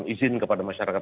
izin kepada masyarakat